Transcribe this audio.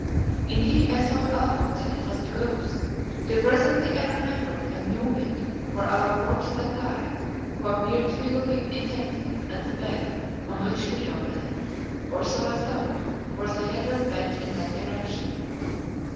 Indeed I thought almost that it was a ghost, till presently I remembered, and knew it for our corpse like guide, who appeared to be looking intently at the bed on which Leo lay, or so I thought, for the head was bent in that direction.